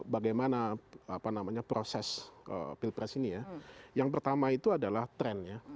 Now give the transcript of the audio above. bagaimana proses pilpres ini ya yang pertama itu adalah tren ya